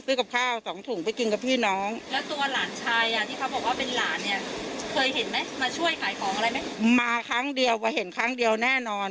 เพราะเราทรงสารเด็กสองคนมันนะถ้าจะพูดตรงนะนะ